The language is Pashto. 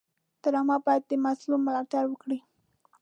ډرامه باید د مظلوم ملاتړ وکړي